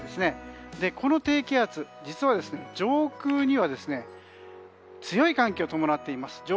この低気圧、実は上空には強い寒気を伴っています。